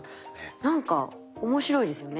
何か面白いですよね。